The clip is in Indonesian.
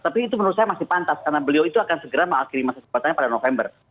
tapi itu menurut saya masih pantas karena beliau itu akan segera mengakhiri masa kesempatannya pada november